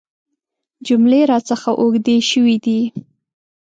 جملې راڅخه اوږدې شوي دي .